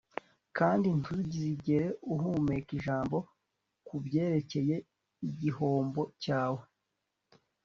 Kandi ntuzigere uhumeka ijambo kubyerekeye igihombo cyawe